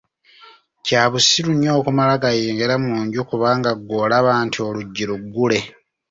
Kya busiriu nnyo okumala gayingira mu nju kubanga ggwe olaba nti oluggi luggule.